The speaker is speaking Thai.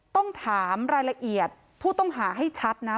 ต้องถามรายละเอียดผู้ต้องหาให้ชัดนะ